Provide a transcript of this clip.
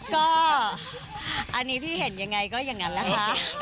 ก็อันนี้พี่เห็นยังไงก็อย่างนั้นนะคะ